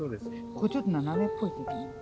これちょっと斜めっぽいけどな。